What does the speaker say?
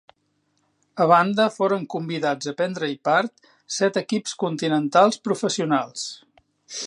A banda foren convidats a prendre-hi part set equips continentals professionals.